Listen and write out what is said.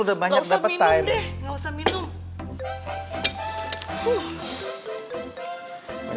udah banyak dapat time deh nggak usah minum